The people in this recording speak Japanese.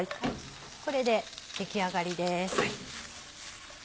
これで出来上がりです。